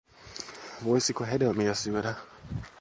Voisiko hedelmiä syödä?